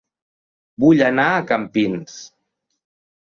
Vull anar a Campins